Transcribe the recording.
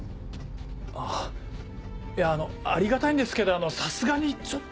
あっいやありがたいんですけどさすがにちょっと。